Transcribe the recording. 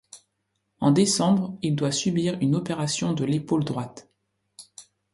En décembre, il doit subir une opération de l'épaule droite.